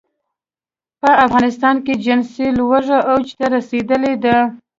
په افغانستان کې جنسي لوږه اوج ته رسېدلې ده.